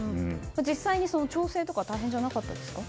実際に調整とか大変じゃなかったですか？